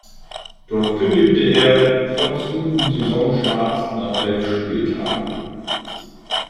Dort kündigte er trotz guten Saisonstarts nach elf Spieltagen.